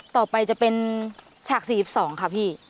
ต่อไปจะเป็นฉาก๔๒ค่ะพี่